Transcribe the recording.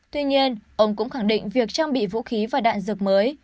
tuy nhiên ông cũng khẳng định việc trang bị vũ khí và đạn dược mới